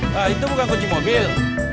nah itu bukan kunci mobil